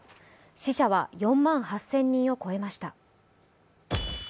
死者は４万８０００人を超えました。